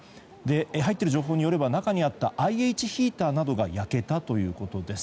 入っている情報によれば中にあったＩＨヒーターなどが焼けたということです。